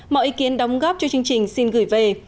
mọi ý kiến đóng góp cho chương trình xin gửi về